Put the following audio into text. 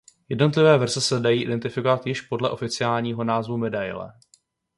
Jednotlivé verze se dají identifikovat již podle oficiálního názvu medaile.